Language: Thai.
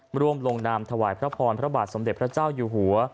มาร่วมลงนามถวายพระพรพระบาทสมเด็จพระเจ้าอยู่หัว